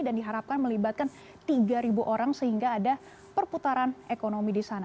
dan diharapkan melibatkan tiga orang sehingga ada perputaran ekonomi di sana